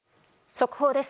速報です。